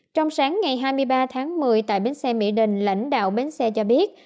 trong sáng ngày hai mươi ba tháng một mươi tại bến xe mỹ đình lãnh đạo bến xe cho biết